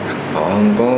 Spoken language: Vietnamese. thì thấy phụ nữ